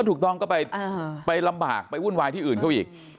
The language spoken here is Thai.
ถูกต้องก็ไปลำบากไปวุ่นวายที่อื่นเขาอีก